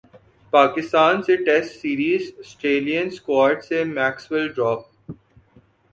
پاکستان سے test series Australian squad سے Maxwell drop